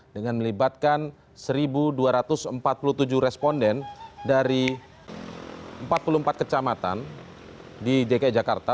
dengan melibatkan satu dua ratus empat puluh tujuh responden dari empat puluh empat kecamatan di dki jakarta